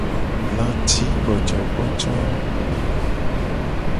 Lacigbojogbojo.